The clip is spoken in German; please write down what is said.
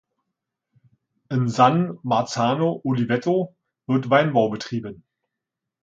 In San Marzano Oliveto wird Weinbau betrieben.